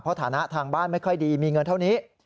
ฐานะทางบ้านไม่ค่อยดีมีเงินเท่านี้